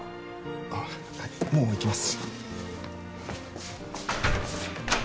ああはいもう行きます